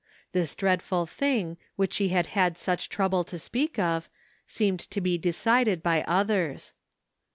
This dreadful thing, which she had had such trouble to speak of, seemed to be decided by others.